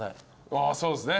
あっそうですね。